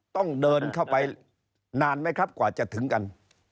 ต้องเดินเข้าไปนานไหมครับกว่าจะถึงกัน